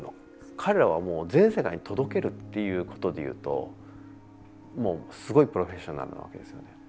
彼らは、もう全世界に届けるっていうことでいうともう、すごいプロフェッショナルなわけですね。